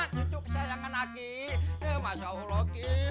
cukup kesayangan aki masya allah aki